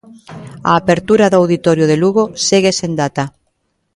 A apertura do auditorio de Lugo segue sen data.